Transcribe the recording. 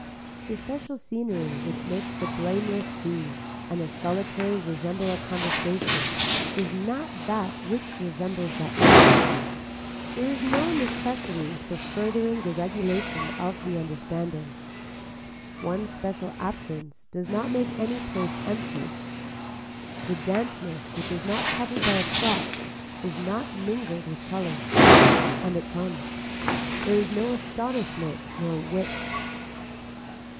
The special scenery which makes the blameless see and the solitary resemble a conversation is not that which resembles that memory. There is no necessity for furthering the regulation of the understanding. One special absence does not make any place empty. The dampness which is not covered by a cloth is not mingled with color. And it comes. There is no astonishment nor width.